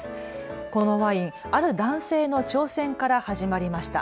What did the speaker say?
このワインはある男性の挑戦から始まりました。